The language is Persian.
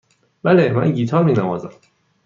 بله، من گیتار می نوازم.